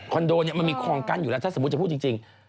โดเนี่ยมันมีคลองกั้นอยู่แล้วถ้าสมมุติจะพูดจริง